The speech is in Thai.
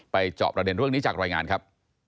จอบประเด็นเรื่องนี้จากรายงานครับ